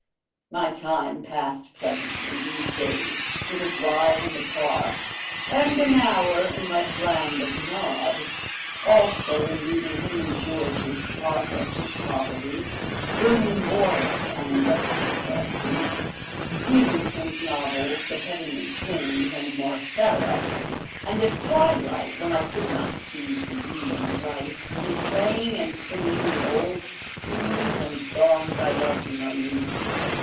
My time passed pleasantly these days with a drive in the Park and an hour in the land of Nod, also in reading Henry George's "Progress and Poverty," William Morris on industrial questions, Stevenson's novels, the "Heavenly Twins," and "Marcella," and at twilight, when I could not see to read and write, in playing and singing the old tunes and songs I loved in my youth.